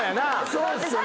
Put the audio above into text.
そうっすよね。